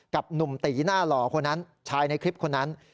กับหนุ่มตีหน้าหล่อคนนั้นชายในคลิปคนนั้น